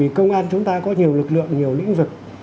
công an chúng ta có nhiều lực lượng nhiều lĩnh vực